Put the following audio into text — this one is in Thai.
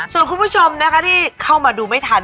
ส่วนคุณผู้ชมนะคะที่เข้ามาดูไม่ทัน